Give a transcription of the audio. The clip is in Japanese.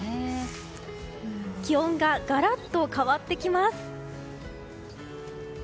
気温がガラッと変わってきます。